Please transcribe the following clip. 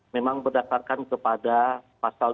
memang berdasarkan kepada pasal dua ratus satu